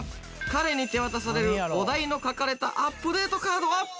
彼に手渡されるお題の書かれたアップデートカードは？